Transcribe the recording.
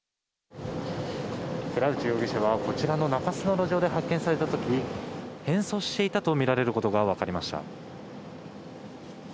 寺内容疑者はこちらの中洲の路上で発見された時変装していたとみられることが分かりました。